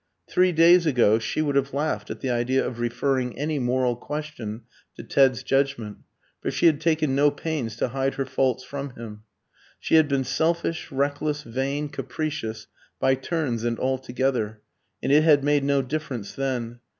Three days ago she would have laughed at the idea of referring any moral question to Ted's judgment, for she had taken no pains to hide her faults from him; she had been selfish, reckless, vain, capricious, by turns and altogether, and it had made no difference then.